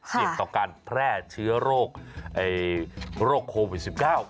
เสี่ยงต่อการแพร่เชื้อโรคโควิด๑๙